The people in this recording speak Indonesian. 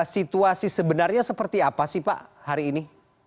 situasi sebenarnya seperti apa sih pak hari ini